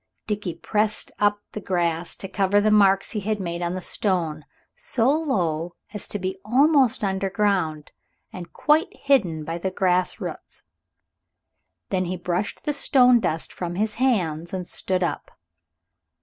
Dickie pressed up the grass to cover the marks he had made on the stone, so low as to be almost underground and quite hidden by the grass roots. Then he brushed the stone dust from his hands and stood up.